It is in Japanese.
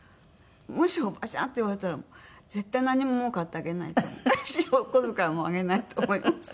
もし「おばちゃん」って言われたら絶対何ももう買ってあげないと思うしお小遣いもあげないと思いますけど。